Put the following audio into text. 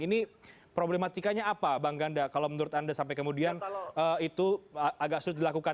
ini problematikanya apa bang ganda kalau menurut anda sampai kemudian itu agak sulit dilakukan